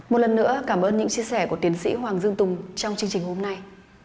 một lần nữa cảm ơn những chia sẻ của tiến sĩ hoàng dương tùng trong chương trình hôm nay